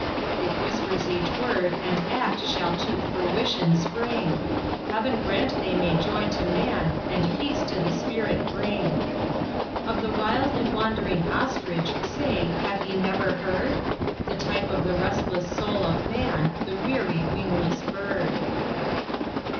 It whispers each word and act shall to fruition spring; Heaven grant they may joy to man, and peace to the spirit bring! Of the wild and wandering Ostrich, say, have ye never heard? The type of the restless soul of man, the weary, wingless bird.